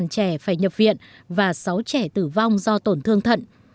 hai mươi bốn trẻ phải nhập viện và sáu trẻ tử vong do tổn thương thận